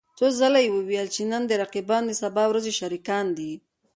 څو ځله يې وويل چې د نن رقيبان د سبا ورځې شريکان دي.